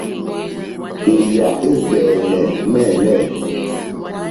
Èyà é ɡbɛ̀ɛ̀nɛ̀ ŋmɛ̂lɛ̂.